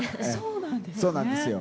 そうなんですよ。